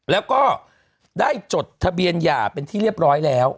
แล้วก็ได้จดทะเบียนหย่าเป็นที่เรียบร้อยแล้ว